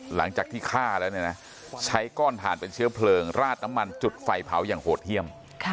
หลังจากที่ฆ่าแล้วใช้ก้อนถ่านเป็นเชื้อเพลิงราดน้ำมันจุดไฟเผาอย่างโหดเยี่ยม